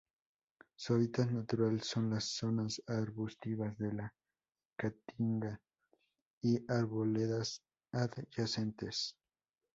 Su hábitat natural son los zonas arbustivas de la caatinga y arboledas adyacentes.